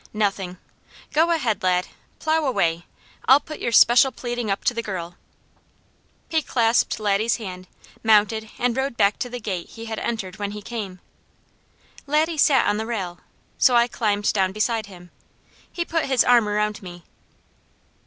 Nothing! Go ahead, lad, plow away! I'll put your special pleading up to the girl." He clasped Laddie's hand, mounted and rode back to the gate he had entered when he came. Laddie sat on the rail, so I climbed down beside him. He put his arm around me.